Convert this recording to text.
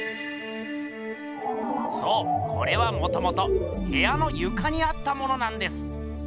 そうこれはもともとへやのゆかにあったものなんです。